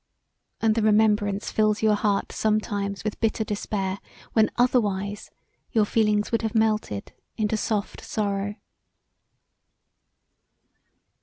And the remembrance fills your heart sometimes with bitter despair when otherwise your feelings would have melted into soft sorrow.